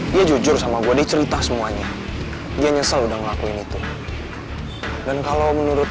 dia jujur sama gue dia cerita semuanya dia nyesel udah ngelakuin itu dan kalau menurut